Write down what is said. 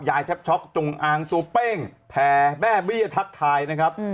แทบช็อกจงอางตัวเป้งแผ่แม่เบี้ยทักทายนะครับ